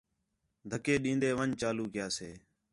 دَھکّے ݙین٘دے ون٘ڄ چالو کَیا سے